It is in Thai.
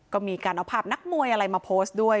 ก็มีการเอาผ่านักมวยมาโพสต์ด้วย